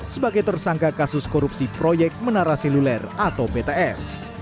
sebagai tersangka kasus korupsi proyek menara seluler atau bts